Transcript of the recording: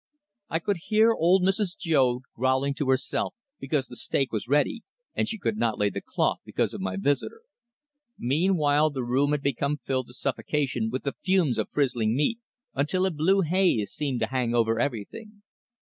I could hear old Mrs. Joad growling to herself because the steak was ready and she could not lay the cloth because of my visitor. Meanwhile, the room had become filled to suffocation with the fumes of frizzling meat, until a blue haze seemed to hang over everything.